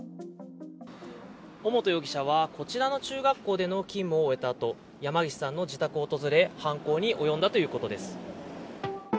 尾本容疑者はこちらの中学校での勤務を終えたあと山岸さんの自宅を訪れ、犯行に及んだということです。